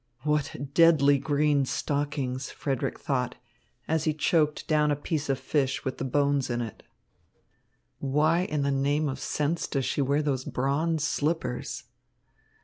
"What deadly green stockings!" Frederick thought, as he choked down a piece of fish with the bones in it. "Why in the name of sense does she wear those bronze slippers?"